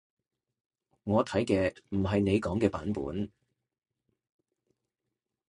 我睇嘅唔係你講嘅版本